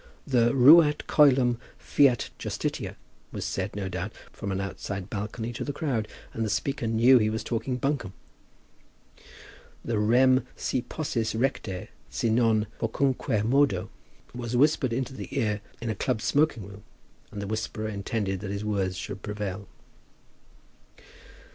The "Ruat coelum, fiat justitia," was said, no doubt, from an outside balcony to a crowd, and the speaker knew that he was talking buncombe. The "Rem, si possis recte, si non, quocunque modo," was whispered into the ear in a club smoking room, and the whisperer intended that his words should prevail.